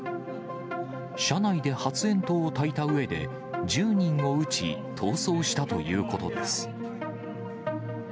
車内で発煙筒をたいたうえで、１０人を撃ち、逃走したということです。